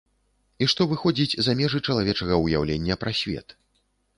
І што выходзіць за межы чалавечага ўяўлення пра свет.